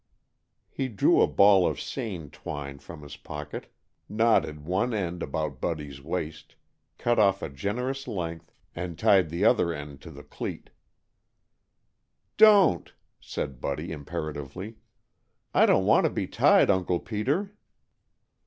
He drew a ball of seine twine from his pocket, knotted one end about Buddy's waist, cut off a generous length, and tied the other end to the cleat. "Don't!" said Buddy imperatively. "I don't want to be tied, Uncle Peter."